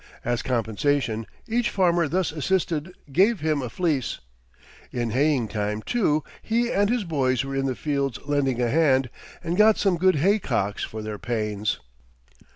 As compensation, each farmer thus assisted gave him a fleece. In haying time, too, he and his boys were in the fields lending a hand, and got some good hay cocks for their pains.